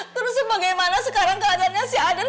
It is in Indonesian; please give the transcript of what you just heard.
terus bagaimana sekarang keadaannya si aden